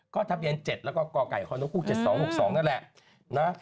ก็ทับเย็น๗แล้วก็กไก่คอนุคุก๗๒๖๒นั่นแหละ